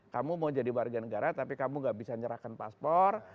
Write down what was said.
kamu mau jadi warga negara tapi kamu gak bisa nyerahkan paspor